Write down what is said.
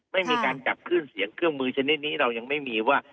ไม่มีการจับขึ้นเสียงเครื่องมือชนิดนี้เรายังไม่มีว่า